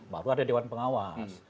baru ada dewan pengawas